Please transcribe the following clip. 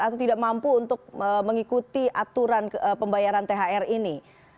atau tidak mampu untuk mengikuti aturan pembayaran thr ini